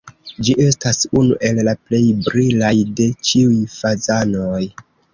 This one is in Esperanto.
Ĝi estas unu el la plej brilaj de ĉiuj fazanoj.